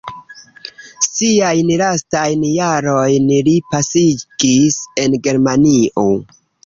Siajn lastajn jarojn li pasigis en Germanio.